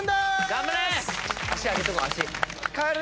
頑張れ！